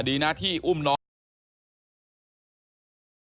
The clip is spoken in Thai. ดีนะที่อุ้มน้อย